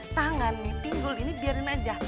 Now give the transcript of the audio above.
tangan nih pinggul ini biarin aja